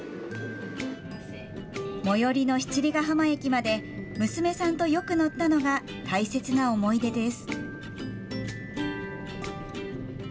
最寄りの七里ヶ浜駅まで娘さんとよく乗ったのが大切な思い出です。